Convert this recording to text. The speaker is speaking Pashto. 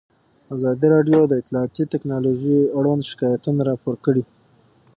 ازادي راډیو د اطلاعاتی تکنالوژي اړوند شکایتونه راپور کړي.